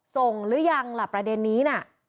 ส่งหรือยังล่ะประเด็นนี้